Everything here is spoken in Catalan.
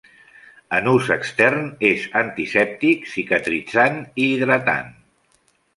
En ús extern és antisèptic, cicatritzant i hidratant.